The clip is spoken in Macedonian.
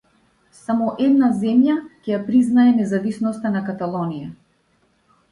Само една земја ќе ја признае независноста на Каталонија.